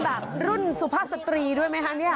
แล้วเป็นรุ่นสุภาพสตรีด้วยไหมคะนี่